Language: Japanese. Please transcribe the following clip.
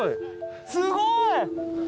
すごい！